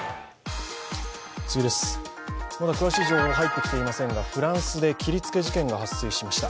まだ詳しい情報は入ってきていませんが、フランスで切りつけ事件が発生しました。